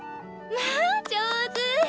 まあ上手！